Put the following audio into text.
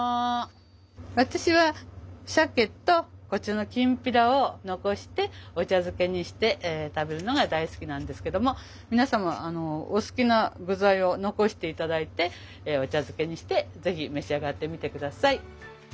私はシャケとこちらのきんぴらを残してお茶漬けにして食べるのが大好きなんですけども皆様お好きな具材を残して頂いてお茶漬けにして是非召し上がってみて下さい。